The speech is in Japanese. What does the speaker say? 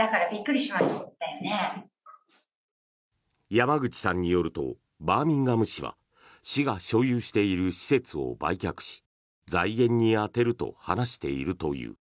山口さんによるとバーミンガム市は市が所有している施設を売却し財源に充てると話しているという。